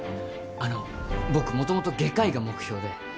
あの僕もともと外科医が目標で。